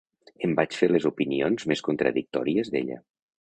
Em vaig fer les opinions més contradictòries d'ella.